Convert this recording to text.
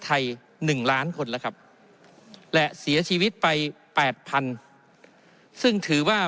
๑ล้านคนแล้วครับและเสียชีวิตไป๘๐๐๐ซึ่งถือว่า